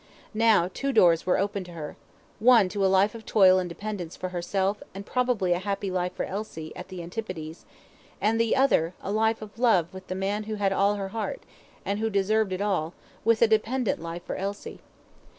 Now, two doors were open to her one to a life of toil and dependence for herself and probably a happy life for Elsie, at the antipodes; and the other, a life of love with the man who had all her heart, and who deserved it all, with a dependent life for Elsie.